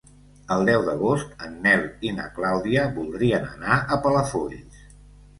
El deu d'agost en Nel i na Clàudia voldrien anar a Palafolls.